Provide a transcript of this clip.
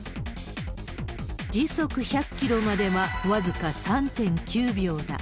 時速１００キロまでは、僅か３．９秒だ。